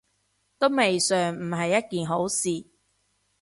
都未嘗唔係一件好事